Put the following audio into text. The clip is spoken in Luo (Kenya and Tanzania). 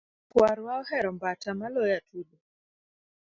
Kwarwa ohero mbata maloyo Atudo